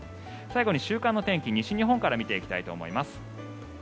最後に週間天気、西日本から見ていきたいと思います。